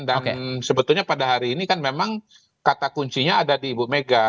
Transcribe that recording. dan sebetulnya pada hari ini kan memang kata kuncinya ada di ibu mega